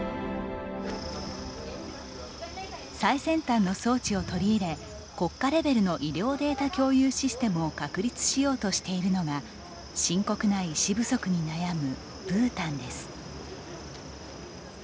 最先端の装置を取り入れ国家レベルの医療データ共有システムを確立しようとしているのが深刻な医師不足に悩むブータンです。